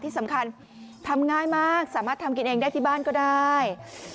ที่สำคัญทำง่ายมากสามารถทำกินเองได้ที่บ้านก็ได้